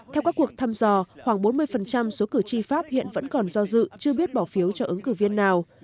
theo các cuộc thăm dò khoảng bốn mươi số cử tri pháp hiện vẫn còn do dự chưa biết bỏ phiếu cho ứng cử viên nào